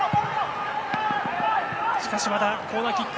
しかしまだコーナーキック。